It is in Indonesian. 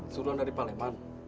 suruhan dari pak leman